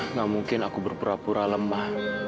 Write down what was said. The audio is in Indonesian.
nggak mungkin aku berpura pura lemah